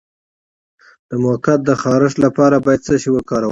د مقعد د خارښ لپاره باید څه شی وکاروم؟